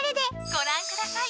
ご覧ください。